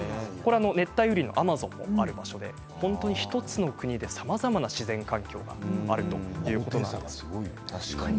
熱帯雨林のアマゾンもある場所で１つの国で、さまざまな自然環境があるということなんです。